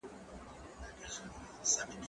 زه مخکي کالي وچولي وو!؟